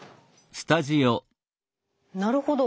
なるほど。